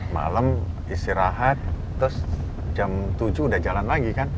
malam istirahat terus jam tujuh udah jalan lagi kan